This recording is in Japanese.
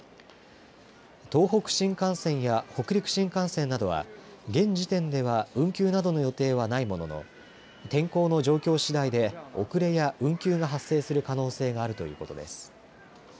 東北新幹線や北陸新幹線などは現時点では運休などの予定はないものの天候の状況次第で遅れや運休が発生する可能性があるということです。